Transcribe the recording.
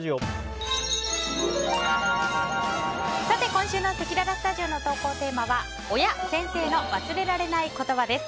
今週のせきららスタジオの投稿テーマは親・先生の忘れられない言葉です。